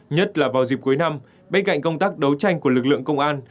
nhất là vào dịp cuối năm bên cạnh công tác đấu tranh của lực lượng công an